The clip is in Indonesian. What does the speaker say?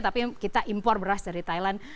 tapi kita impor beras dari thailand